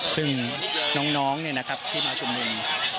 ซึ่งน้องนี่นะครับที่มาชมนุม